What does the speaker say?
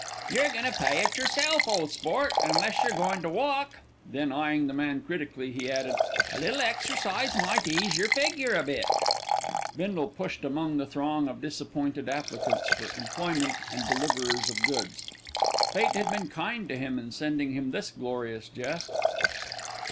"You're a goin' to pay it yerself, ole sport, unless you're goin' to walk." Then eyeing the man critically he added, "A little exercise might ease yer figure a bit." Bindle pushed among the throng of disappointed applicants for employment and deliverers of goods. Fate had been kind to him in sending him this glorious jest.